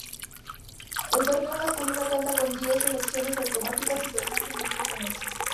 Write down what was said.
El torneo masculino cuenta con diez selecciones autonómicas y el torneo femenino con ocho.